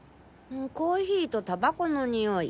コーヒーとタバコのにおい。